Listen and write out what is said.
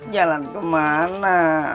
jalan ke mana